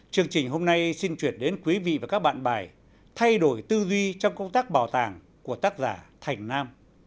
chương trình hôm nay xin chuyển đến quý vị và các bạn bài thay đổi tư duy trong công tác bảo tàng của tác giả thành nam